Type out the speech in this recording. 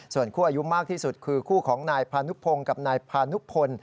ส่วนคู่อายุมากที่สุดคือคู่ของนายพานุพงศ์กับนายพานุพล